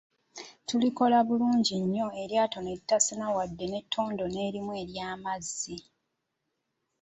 Tukikola bulungi nnyo eryato ne litasena wadde ettondo erimu ery'amazzi.